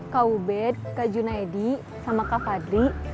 kak ubed kak junaidi sama kak fadri